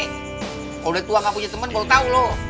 kalau lo udah tua nggak punya temen kalau lo tahu loh